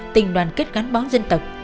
tình đoàn kết gắn bó dân tộc